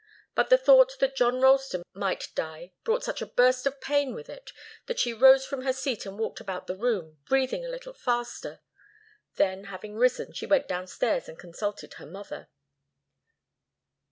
But the thought that John Ralston might die brought such a burst of pain with it that she rose from her seat and walked about the room, breathing a little faster. Then, having risen, she went downstairs and consulted her mother.